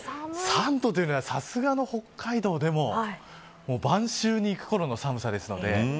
３度というのはさすがの北海道でも晩秋にいくころの寒さですので。